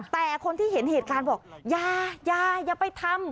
แต่คนที่เห็นเหตุการณ์บอกอย่าอย่าไปทำ